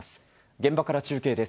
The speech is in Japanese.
現場から中継です。